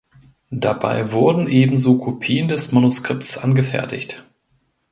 Dabei wurden ebenso Kopien des Manuskripts angefertigt.